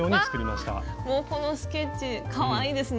もうこのスケッチかわいいですね。